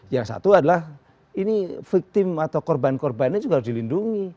yang satu adalah ini team atau korban korbannya juga harus dilindungi